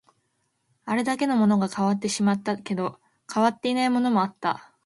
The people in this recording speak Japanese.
あれだけのものが変わってしまったけど、変わっていないものもあった